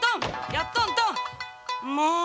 もう！